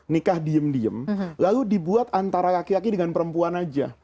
nikah diem diem lalu dibuat antara laki laki dengan perempuan aja